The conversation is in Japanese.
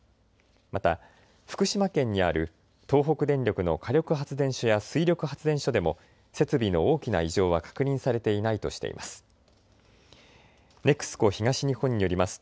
また福島県にある東北電力の火力発電所や水力発電所でも設備の大きな異常は確認されていないとしています。